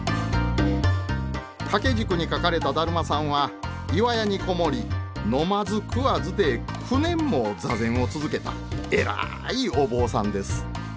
掛け軸に描かれた達磨さんは岩屋に籠もり飲まず食わずで９年も座禅を続けた偉いお坊さんです。